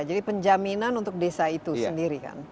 jadi penjaminan untuk desa itu sendiri kan